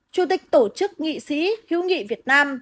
chủ tịch tổ chức nghị sĩ hữu nghị việt nam